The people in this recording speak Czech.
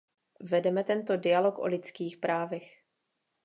Vedeme tento dialog o lidských právech.